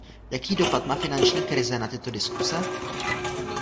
Jaký dopad má finanční krize na tyto diskuse?